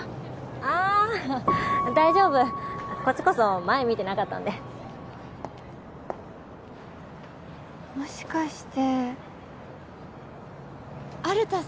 あぁ大丈夫こっちこそ前見てなかったんでもしかしてアルタさん？